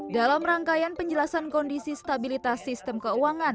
dalam rangkaian penjelasan kondisi stabilitas sistem keuangan